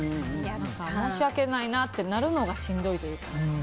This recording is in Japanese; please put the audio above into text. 申し訳ないなってなるのがしんどいというか。